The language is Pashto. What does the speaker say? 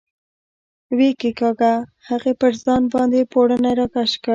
ویې کېکاږه، هغې پر ځان باندې پوړنی را کش کړ.